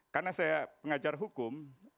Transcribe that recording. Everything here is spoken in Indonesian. karena saya pengajar hukum